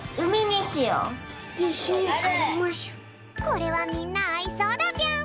これはみんなあいそうだぴょん。